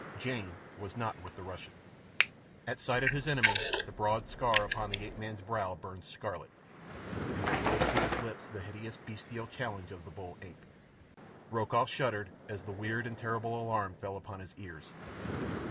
Jane was not with the Russian. At sight of his enemy the broad scar upon the ape man's brow burned scarlet, and there rose to his lips the hideous, bestial challenge of the bull ape. Rokoff shuddered as the weird and terrible alarm fell upon his ears.